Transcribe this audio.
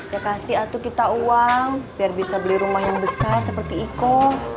ya kasih atau kita uang biar bisa beli rumah yang besar seperti iko